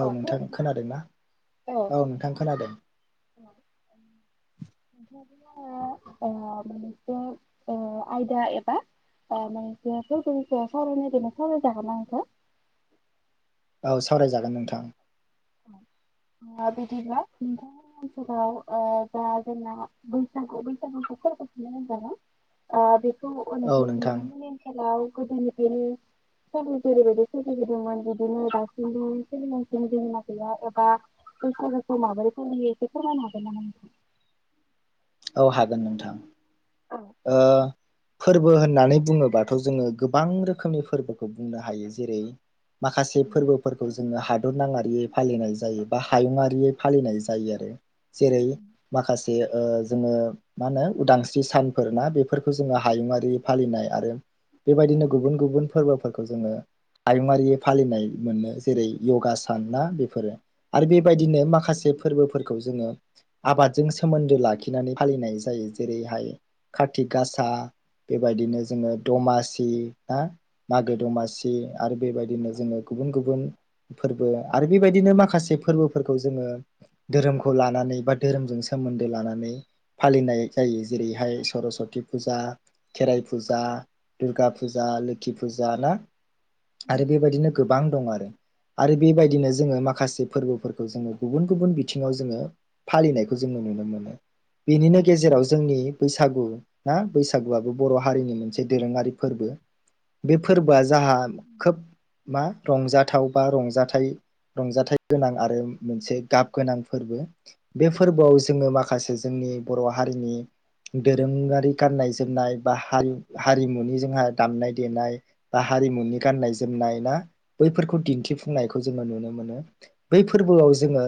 औ नोंथां खोनादोंना औ नोंथां खोनादों। नोंथांजों आङो ओ मोननैसो ओ ओ आयदा एबा ओ मोनसे तपिकनि सायाव सावरायनो नागिरनाय ओ सावरायजागोन ना नोंथां? औ सावरायजागोन नोंथां। ओ बिदिब्ला नोंथांनि ओनसोलाव ओ जा जोंना बैसागु-बैसागुखौ [unintelligible] होनबा ना ओ बेखौ औ नोंथां नोंथां-नोंथांमोननि ओनसोलाव गोदोनिफ्रायनो सोरजिगिरिबायदि फुजिबोदोंमोन बिदिनो दासिमबो [unintelligible] गैया एबा बैसागोखौ माबोरै फालियो बेखौ फोरमायनो हागोन नामा नोंथां? औ हागोन नोंथां औ ओ फोरबो होननानै बुङोबाथ' जोङो गोबां रोखोमनि फोरबोखौ बुंनो हायो जेरै माखासे फोरबोफोरखौ जोङो हा दर नाङारियै फालिनाय जायो बा हायुङारियै फालिनाय जायो आरो। जेरै माखासे ओ जोङो मा होनो उदांस्रि सान फोर मा बेफोरखौ जोङो हायुङारि फालिनाय आरो बेबायदिनो गुबुन-गुबुन फोरबोफोरखौ जोङो हायुङारि फालिनाय मोनो जेरै य'गा सान ना बेफोरो। आरो बेबायदिनो माखासे फोरबोफोरखौ जोङो आबादजों सोमोन्दो लाखिनानै फालिनाय जायो जेरैहाय कारति गासा बेबायदिनो जोङो दमासि ना मागो दमासि आरो बेबायदिनो जोङो गुबुन-गुबुन फोरबो आरो बेबायदिनो माखासे फोरबो जोङो धोरोमखौ लानानै बा धोरोमजों सोमोनदो लानानै फालिनाय जायो जेरै बेहाय सर'सति फुजा, खेराइ फुजा, दुर्गा फुजा, लोखि फुजा ना। आरो बेबायदिनो गोबां दं आरो। आरो बेबायदिनो जोङो माखासे फोर्बोफोरखौ जोङो गुबुन गुबुन बिथिङाव जोङो फालिनायखौ जों नु नो मोनो। बेनिनो गेजेराव जोंनि बैसागु ना बैसागुआबो बर' हारिनि मोनसे दोरोङारि फोर्बो। बे फोर्बोआ जाहा खोब मा रंजाथाव बा रंजाथाइ रंजाथाइ गोनां आरो मोनसे गाब गोनां फोर्बो। बे फोर्बोआव जोङो माखासे जों नि बर' हारिनि दोरोङारि गाननाय जोमनाय बा हारि-हारिमुनि जोंहा दामनाय देनाय बा हारिमुनि गाननाय जोमनाय ना बैफोरखौ दिन्थिफुंनायखौ जोङो नुनो मोनो। बै फोर्बोआव जोङो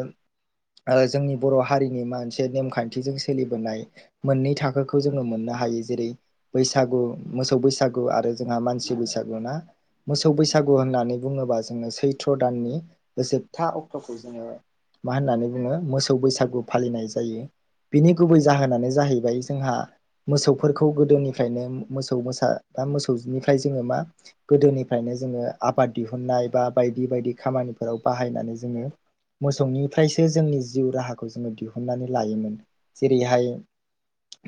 ओ जोंनि बर' हारिनि मोनसे नेमखान्थिजों सोलिबोनाय मोननै थाखोखौ जोङो मोननो हायो। जेरै बैसागु मोसौ बैसागु आरो जोंहा मानसि बै सागु ना। मोसौ बैसागु होननानै बुङोबा जों जोङो सैथ्र' दाननि जोबथा अक्ट'खौ जोङो मा होननानै बुङो मोसौ बैसागु फालिनाय जायो। बिनि गुबै जाहोनानो जाहैबाय जोंहा मोसौफोरखौ गोदोनिफ्रायनो मोसौ मोसा दा मोसौनिफ्राय जोङो मा गोदोनिफ्रायनो जोङो आबाद दिहुननाय बा बायदि बायदि खामानिफोराव बाहायनानै जोङो मोसौनिफ्रायसो जोंनि जिउ राहाखौ जोङो दिहुननानै लायोमोन। जेरैहाय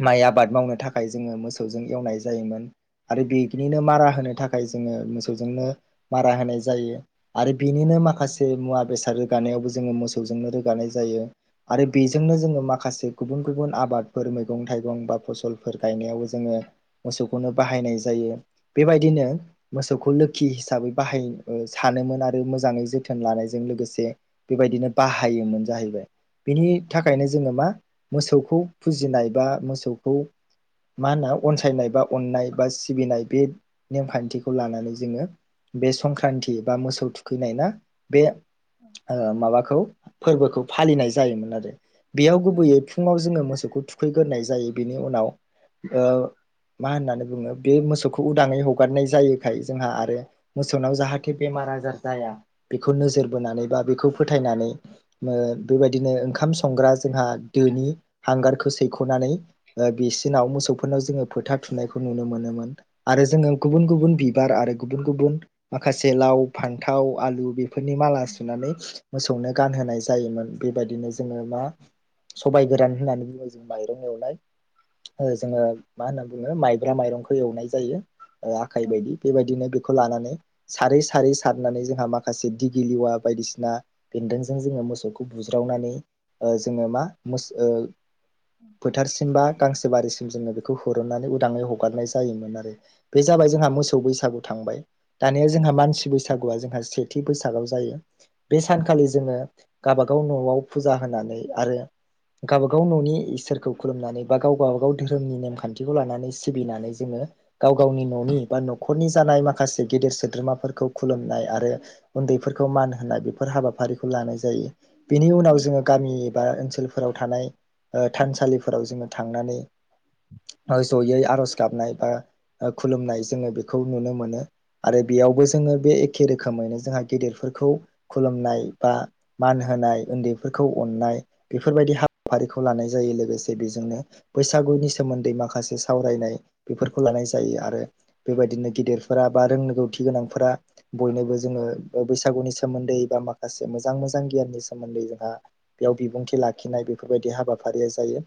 माइ आबाद मावनो थाखाय जोङो मोसौजों एवनाय जायोमोन। आरो बेगनिनो मारा होनो थाखाय जोङो मोसौजोंनो मारा होनाय जायो। आरो बेनिनो माखासे मुवा बेसाद रोगानायावबो जोङो मोसौजोंनो रोगानाय जायो। आरो बेजोंनो जोङो माखासे गुबुन गुबुन आबाद फोर मैगं थाइगं बा फसलफोर गायनायावबो जोङो मोसौखौनो बाहायनाय जायो। बेबायदि नो बिनो मोसौखौ लोखि हिसाबै बाहाय सानोमोन आरो मोजाङै जोथोन लानायजों लोगोसे बेबायदिनो बाहायोमोन जाहैबाय। बिनि थाखायनो जोङो मा मोसौखौ फुजिनाय बा मोसौखौ मा होनो अनसायनाय बा अननाय बा सिबिनाय बे नेमखान्थिखौ लानानै जोङो बे संक्रान्ति बा मोसौ थुखैनाय ना। बे ओ माबाखौ फोर्बोखौ फालिनाय जायोमोन आरो। बेयाव गुबैयै फुङाव जोङो मोसौखौ थुखैग्रोनाय जायो बेनि उनाव ओ मा होननानै बुङो बे मोसौखौ उदाङै हगारनाय जायोखाय जोंहा आरो मोसौनाव जाहाथे बेमा र आजार जाया बेखौ नोजोर बोनानै बा बेखौ फोथायनानै ओ बेबायदिनो ओंखाम संग्रा जोंहा दोनि हांगार खो सैख'नानै ओ बिसिनाव मोसौफोरनाव जोङो फोथा थुनायखौ नुनो मोनोमोन। आरो जोङो गुब गुबुन बिबार आरो गुबुन गुबुन माखासे लाव, फान्थाव, आलु बे फोरनि माला सुनानै मोसौनो गानहोनाय जायोमोन। बेबायदिनो जोङो मा सबबाय गोरान होननानै बुङो माइरं एवनाय ओ जोङो मा होनना बुङो माइब्रा माइरंखौ एवनाय जायो। ओ आखाइ औ बायदि बेबायदिनो लानानै सारै सारै सारनानै जोंहा माखासे दिगिलिवा बायदिसिना बेदों जों जोङो मोसौखौ बुज्रावनानै जोङो मा ओ फोथारसिमबा गांसो बारिसिम जोङो बेखौ हुरननानै उदाङै हगारनाय जायोमोन आरो। बे जाबाय जोंहा मोसौ बैसागु था बाय। दानिया जोंहा मानसि बैसागुआ जोंहा सेथि बैसागआव जायो। बे सानखालि जोङो गाबागाव न'आव फुजा होनानै आरो गावबागाव न'नि इ सोरखौ खुलुमनानै बा गाव बा गाव गाव धोरोमनि नेमखान्थिखौ लानानै सिबिनानै जोङो गाव गावनि न'नि बा न'खरनि जानाय माखासे गेदेर सोद्रोमाफोरखौ खुलुमनाय आरो उन्दैफोरखौ मान होनाय बेफोर हाबाफारिखौ लानाय जायो। बेनि औ उनाव जोङो गामि एबा ओनसोलफोराव थानाय ओ थानसालिफोराव जोङो थांनानै जयै आर'ज गाबनाय बा खुलुमनाय जोङो बेखौ नुनो मोनो आरो औ बेयावबो जोङो बे एक खे रोखोमैनो जोंहा गेदेरफोरखौ खुलुमनाय बा मान होनाय उन्दैफोरखौ अननाय बेफोरबायदि हाबफारिखौ लानाय जायो लोगोसे बेजोंनो बैसागुनि सोमोन्दै माखासे सावरायनाय बेफोरखौ लानाय जायो आरो बेबायदिनो गेदेरफोरा बा रोंनगौथि गोनांफोरा बयनोबो जोङो बैसागुनि सोमोन्दै दै बा माखासे मोजां मोजां गियानि सोमोन्दै जोंहा बेयाव बिबुंथि लाखिनाय बेफोरबायदि हाबा फारिया जायो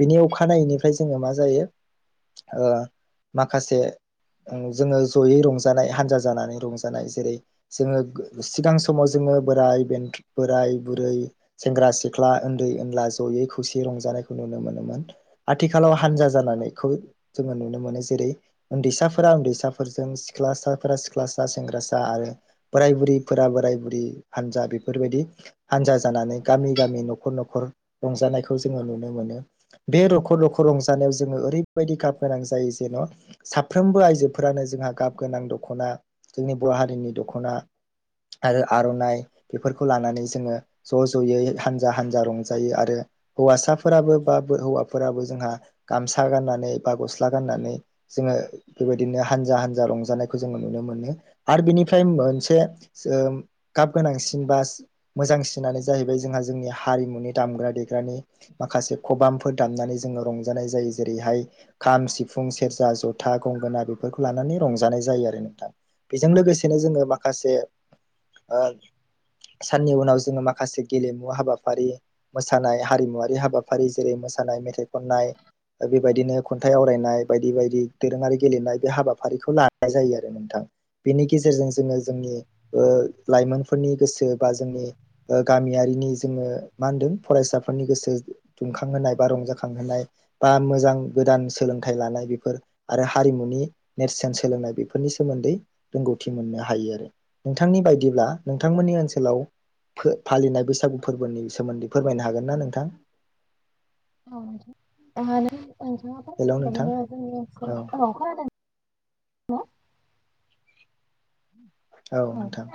बिनि अखानायैनिफ्राय जोङो मा जायो। ओ माखासे जोङो जयै रंजानाय हानजा जानानै रंजानाय जेरै जोङो सिगां समाव जोङो बोराय बेनथु बोराय बुरै सेंग्रा सिख्ला उन्दै उनला जयै खुसि रंजानायखौ नुनो मोनोमोन आथिखालाव हानजा जानायखौ जोङो नुनो मोनो जेरै उन्दैसाफोरा उन्दैसाफोरजों सिख्लासाफोरा सिख्लासा सेंग्रासा आरो बोराय बुरैफोराबो बोराय बुरि हानजा बेफोरबायदि हानजा जानानै गामि गामि न'खर न'खर रंजानायखौ जोङो नुनो मोनो बे न'खर न'खर रंजानायाव जोङो ओरैबायदि गाब गोनां जायो जेन' साफ्रोमबो आइजोफोरानो जोंहा गाब गोनां दख'ना जोंनि बर' हारिनि दख'ना आरो आर'नाइ बेफोरखौ लानानै जोङो ज' ज'यै हानजा हानजा रंजायो आरो हौवासाफोराबो बा हौवाफोराबो जोंहा गामसा गाननानै बा गस्ला गाननानै जोङो बेबायदिनो हानजा हानजा औ रंजानायखौ जोङो नुनो मोनो आरो बिनिफ्राय मोनसे गाब गोनांसिन बा मोजांसिनानो जाहैबाय जोंहा जोंनि हारिमुनि दामग्रा देग्रानि माखासे खबामफोर दामनानै जोङो रंजानाय जायो जेरैहाय खाम सिफुं सेरजा जथा गंगोना बेफोरखौ लानानै रंजानाय जायो आरो नोंथां बेजों लोगोसेनो जोङो माखासे साननि उनाव जोङो माखासे गेलेमु हाबाफारि मोसानाय हारिमुवारि हाबाफारि जेरै मोसानाय मेथाइ खननाय बेबायदिनो खन्थाइ आवरायनाय बायदि बायदि दोरोङारि गेलेनाय बे हाबाफारिखौ लानाय जायो आरो नोंथां बेनि गेजेरजों जोङो जोंनि लाइमोनफोरनि गोसो बा जोंनि गामियारि नि जोङो मा होनदों फरायसा फोरनि गोसो दुंखांहोनाय बा रंजाखांहोनाय बा मोजां गोदान सोलोंथाइ लानाय बेफोर आरो हारिमुनि नेरसोन सोलोंनाय बेफोरनि सोमोन्दै रोंगौथि मोननो हायो आरो नोंथांनि बाय दिब्ला नोंथांमोननि ओनसोलाव फालिनाय बैसागु फोरबोनि सोमोन्दै फोरमायनो हागोन ना नोंथां औ नोंथां हेलौ [unintelligible] नोंथां बिदिनो जोंनि औ खोनादों नोंथाङा औ नोंथां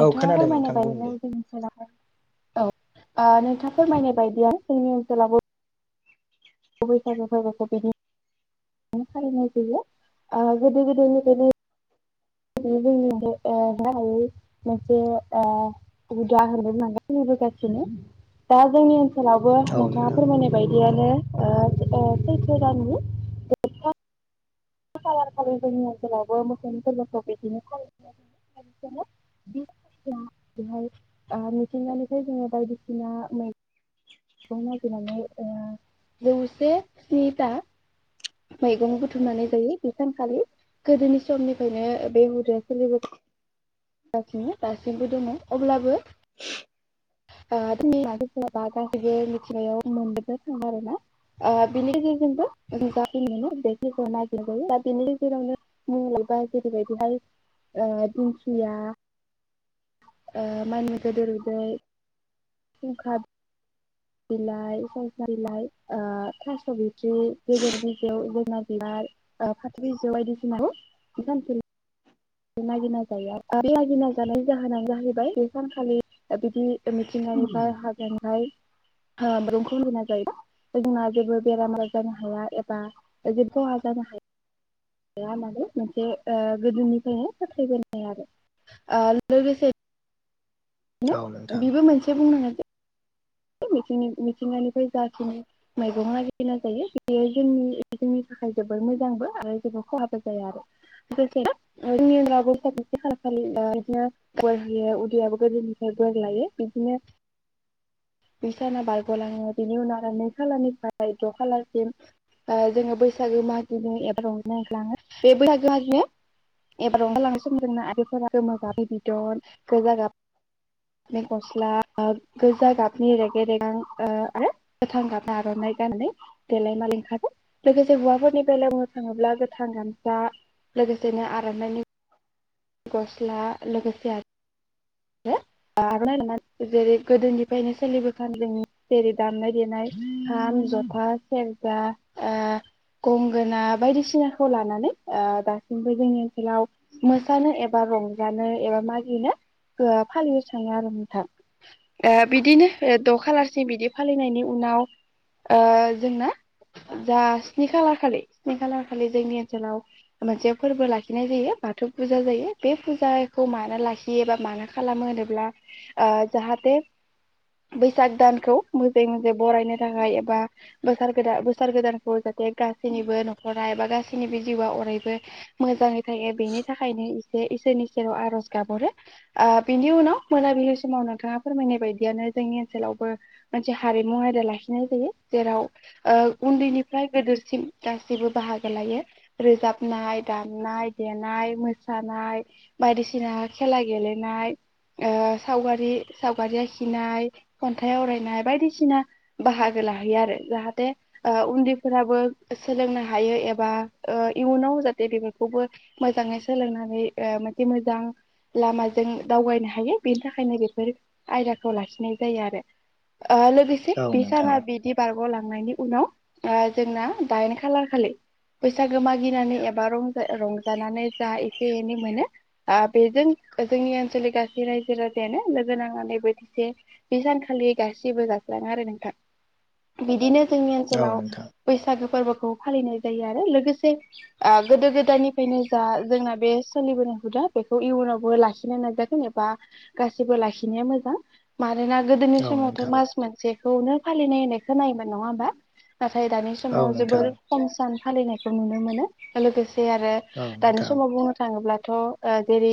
औ खोनादों फोरमायनाय नोंथां बुं बायदिनो दे जों खेलाफोर औ नोंथाङा फोरमायनाय बायदिया जोंनि ओनसोलावबो बैसागो फोरबोखौ बिनि माने फालिनाय जायो गोदो गोदायनिफ्रायनो जोंनि ओ मोनसे [unintelligible] गासिनो दा जोंनि ओनसोलावबो औ नोंथाङा नोंथां फोरमायनाय बायदियानो सैथो दाननि [unintelligible] खालारखालि जोंनि ओनसोलावबो मोसौनि फोर्बोखौ बिदिनो फालि [unintelligible] बि बेहाय मिथिंगानिफ्राय जोङो बायदिसिना मै गं नागिरनानै जौसे स्निथा मैगं बुथुमनानै जायो बे सानखालि गोदोनि समनिफ्रायनो बे हुदाया सोलिबो गासिनो दासिमबो दङ अब्लाबो [unintelligible] गासैबो मिथिनायाव [unintelligible] आरोना बिनि गेजेरजोंबो [unintelligible] मोनो [unintelligible] बिनि गेजेरावनो मबेबा जेरैबायदिहाय दि- [unintelligible] [inaudible] खुंखा बिलाइ [unintelligible] बिलाइ ओ थास' बिथ्रि [unintelligible] ओ फाथो बिजौ बादिसिना जों [unintelligible] नागिरना जायो आरो नागिरना जानायनि जाहोनानो जाहैबाय बे सानखालि बिदि मिथिंगानिफाय हाजेंहाय ओ मैगंखौ रुना जायो जोंना जेबो बेरामार जानो हाया एबा जे खहा ज होनाल मोनसे ओ गोदोनिफ्रायहाय साख्रिबोनाय आरो ओ लोगोसे औ नोंथां बेबो मोनसे बुंनाङा मिथिं मिथिंगानिफ्राय जाखिनि मैगं नागेरना जायो बेयो जोंनि जोंनि थाखाय जोबोर मोजांबो आरो जबोर खहाबो जायाआरो [inaudible] [unintelligible] बोर लायो बिदिनो [inaudible] [unintelligible] दुइ साना बारग'लाङो बिनि उनाव आरो नै खालारनिफ्राय द' खालारसिम ओ जोङो बैसागो मागि एबार नायलाङो बे बैसागो एबार ओंखारालांनाय समदोंना आफोरा गोमो गाबै बिदन गोजा गाब न गस्ला गो गोजा गाबनि रेगे रेगां ओ आरो गोथां गाब आर'नाइ गाननानै देलायम लिंखारोन लोगोसे हौवाफोरनि बेलायावनो थाङोब्ला गोथां गामसा लोगोसेनो आर'नाइनि गस्ला लोगोसे आरो आर'नाइ नंङा गोदोनिफ्रायनो सोलिबोखान जों जेरै दामनाय देनाय खाम जथा सेरजा ओ गंगोना बायदिसिनाखौ लानानै ओ दासिमबो जोंनि ओनसोलाव मो मोनो एबा रंजानो एबा मागिनो ओ फालिनो थाङो आरो नोंथां ए बिदिनो द' खालारसि बिदि फालिनायनि उनाव ओ जोंना जा स्नि खालार खालि स्नि खालार खालि जोंनि ओनसोलाव मोनसे फोरबो लाखिनाय जायो बाथौ फुजा जायो बे फुजाखौ मानो लाखियोबा मानो खालामो होनोब्ला ओ जाहाथे बैसाग दानखौ मोजाङै मोजाङै बरायनो थाखाय एबा बोसोर गोदान बोसोर गोदानखौ जाहाथे ज गासैनिबो न'खरा एबा गासैनिबो जिउआ अरायबो मोजाङै थायो बेनि नो एसे इसोरनि सेराव आर'ज गाबहरो बिनि उनाव मोनाबिलि समाव नोंथाङा फोरमायनाय बायदियानो जोंनि ओनसोलावबो मोनसे हारिमु आयदा लाखिनायजायो जेराव ओ उनदोयनि फ्राय गोदिरसिम गासिबो बाहागो लायो रोजाबनाय दामनाय देनाय मोसानाय बायदिसिना खेला गेलेनाय ओ सावगारि सावगारि आखिनाय खन्थाइ आवरायनाय बायदिसिना बाहागो लाहैयो आरो जाहाथे ओ उन्दैफ्राबो सोलोंनो हायो एबा ओ इयुनाव जाहाथे बेफोरखौबो मोजाङै सोलोंनानै ओ मोनसे मोजां लामाजों दावगायनो हायो बेनि थाखायनो बेफोर आयदाखौ लाखिनाय जायो आरो। ओ लोगोसे औ नोंथां बिसाना बिदि बार बागलांनायनि उनाव ओ जोंना दाइन खालार खालि बैसागो मागिनानै एबा रंजा रंजानानै जा एसे एनै मोनो आ बेजों जोंनि ओनसोलनि गासै रायजो राजायानो लोगो नांनानै बेबायदि बे सानखालि गासिबो जास्लाङो आरो नोंथां, बिदिनो जोंनि औ ओनसोलाव नोंथां बैसागो फोरबोखौ फालिनाय जायो आरो लोगोसे आ गोदो गोदायनिफ्रायनो जा जोंना बे सोलिबोनो हुदा बेखौ इयुनावबो लाखिनो नाजागोन एबा गासिबो लाखिनाया मोजां मानोना गोदोनि औ समावथ' नोंथां मास मोनसेखौनो फालिनाय होननायखौनायोम नङा होमबा नाथाय दानि औ समाव जोबोर नोंथां खम सान फालिनायखौ नुनो मोनो लोगोसे से आरो औ नोंथां दानि समाव औ बुंनो थाङोब्लाथ' ओ जेरै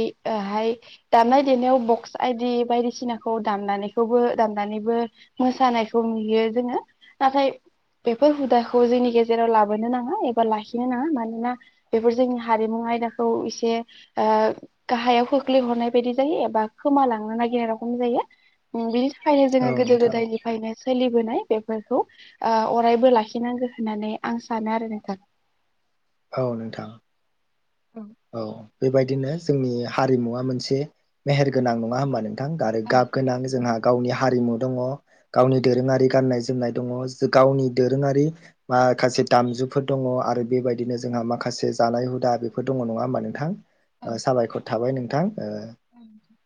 हाय दामनाय देनायाव बक्स आइदि बायदिसिनाखौ दामनानैखौबो दामनानैबो मोसानायखौ नुयो जोङो नाथाय बेफोर हुदाखौ जोंनि गेजेराव लाबोनो नाङा एबा लाखिनो नाङा मानोना बेफोर जोंनि हारिमु आयदाख खौ एसे ओ गाहायाव खोख्लैहरनाय बायदि जायो एबा खोम लांनो नागिरनाय रखम जायो बिनि थाखायनो जोङो गोदो नोंथां गोदायनिफ्रायनो सोलिबोनाय बेफोरखौ ओ अरायबो लाखिनांगो होननानै आं सानो आरो नोंथां। औ नोंथां। औ बेबायदिनो जोंनि हारिमुवा मोनसे मेहेरगोनां नङा होनोमबा नों थां आरो गाब गोनां जोंहा गावनि हारिमु दङ गावनि दोरोङारि गान्नाय जोमनाय दङ जो गावनि दोरोङारि मा माखासे दामजुफोर दङ आरो बेबायदिनो जोंहा माखासे जानाय हुदा बेफोर आ दङ नङा होमबा नोंथां? साबायखर थाबाय नोंथां। ओ औ दे।